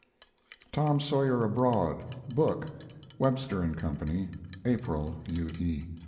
TOM SAWYER ABROAD book (Webster & Co.), April. U. E.